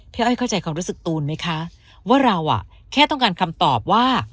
อ้อยเข้าใจความรู้สึกตูนไหมคะว่าเราอ่ะแค่ต้องการคำตอบว่า